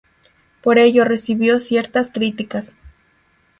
Por ello recibió ciertas críticas.